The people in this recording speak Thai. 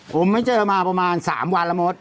ผมไม่เจอมาประมาณ๓วันแล้วมด